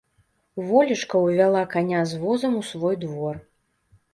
Волечка ўвяла каня з возам у свой двор.